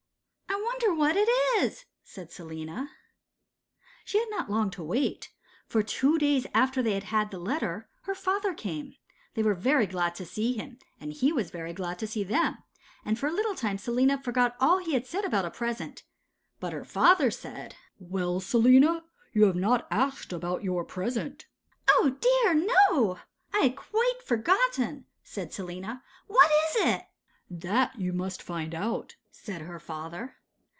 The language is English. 'I wonder what it is?' said Selina. She had not long to wait, for two days after they had had the letter, her father came. They were very glad to see him, and he was very glad to see them. And for a little time Selina forgot all he had said about a present. But her father said,— 'Well, Selina, you have not asked about your present.' 'Oh dear no! I had quite forgotten,' said Selina. 'What is it?' 'That you must find out,' said her father.